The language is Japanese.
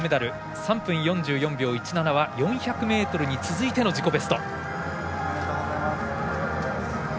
３分４４秒１７は４００ｍに続いての自己ベスト。